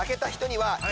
はい。